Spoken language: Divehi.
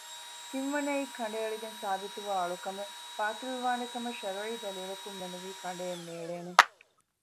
ތިންވަނައީ ކަނޑައެޅިގެން ސާބިތުވާ އަޅުކަމެއް ބާޠިލުވާނެކަމަށް ޝަރުޢީ ދަލީލަކުންމެނުވީ ކަނޑައެއްނޭޅޭނެ